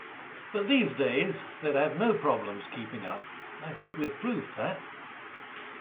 But these days they'd have no problems keeping up, I think we've proved that.